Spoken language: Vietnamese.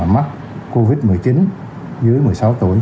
mắc covid một mươi chín dưới một mươi sáu tuổi